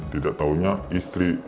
tidak tahunya istri